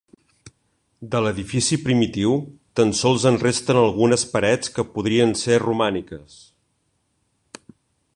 De l'edifici primitiu tan sols en resten algunes parets que podrien ser romàniques.